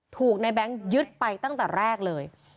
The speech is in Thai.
ถูกในแบงค์ยึดไปตั้งแต่แรกเลย